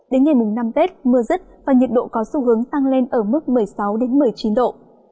đến ngày mùng năm tết mưa rứt và nhiệt độ có xu hướng tăng lên ở mức một mươi sáu một mươi chín độ